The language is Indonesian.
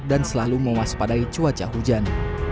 dan selalu mewaspadai cuaca hujan